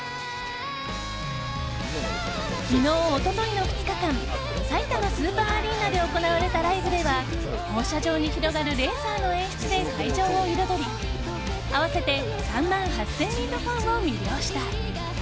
昨日、一昨日の２日間さいたまスーパーアリーナで行われたライブでは放射状に広がるレーザーの演出で会場を彩り合わせて３万８０００人のファンを魅了した。